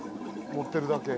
持ってるだけ。